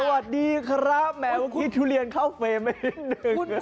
สวัสดีครับแหมวที่ทุเรียนเข้าเฟเมตรนึก